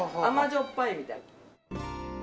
甘じょっぱいみたいな。